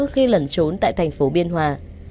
khi lẩn trốn tại thành phố biên hòa